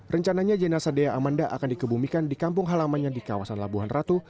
rencananya jenasa dea amanda akan dikebumikan di kampung halamannya di kawasan labuhan ratu